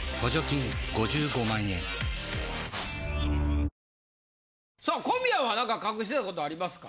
・頑張って・さあ小宮は何か隠してた事ありますか？